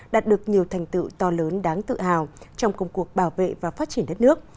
đạt được nhiều thành tựu to lớn đáng tự hào trong công cuộc bảo vệ và phát triển đất nước